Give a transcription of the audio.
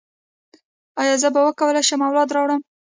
ایا زه به وکولی شم اولاد راوړم؟